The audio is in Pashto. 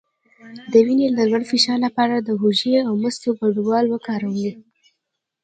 د وینې د لوړ فشار لپاره د هوږې او مستو ګډول وکاروئ